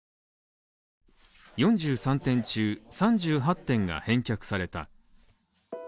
４３点中３８点が返却された。